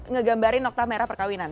ngegambarin nokta merah perkawinan